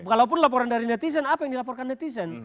kalau pun laporan dari netizen apa yang dilaporkan netizen